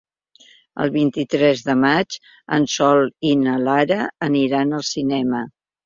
El vint-i-tres de maig en Sol i na Lara aniran al cinema.